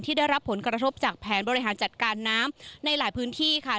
ได้รับผลกระทบจากแผนบริหารจัดการน้ำในหลายพื้นที่ค่ะ